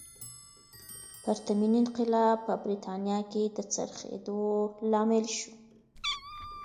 پرتمین انقلاب په برېټانیا کې د څرخېدو لامل شو.